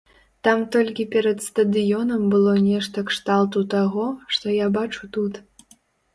Там толькі перад стадыёнам было нешта кшталту таго, што я бачу тут.